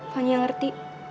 van yang ngerti